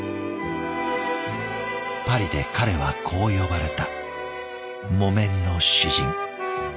パリで彼はこう呼ばれた「木綿の詩人」。